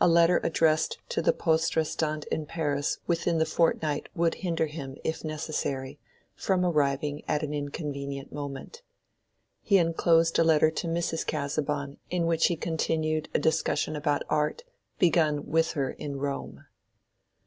A letter addressed to the Poste Restante in Paris within the fortnight would hinder him, if necessary, from arriving at an inconvenient moment. He enclosed a letter to Mrs. Casaubon in which he continued a discussion about art, begun with her in Rome.